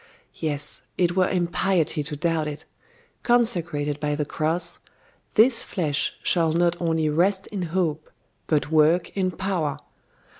Yes; it were impiety to doubt it. Consecrated by the cross, this flesh shall not only rest in hope but work in power.